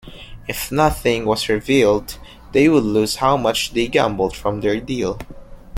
If "Nothing" was revealed, they would lose how much they gambled from their Deal.